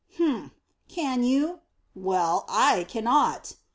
"Humph! Can you? Well, I cannot!"